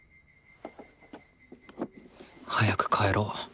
早く帰ろう。